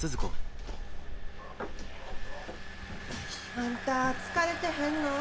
あんた疲れてへんの？